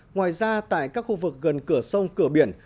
ngoài ra tại các khu vực gần cửa sông cửa biển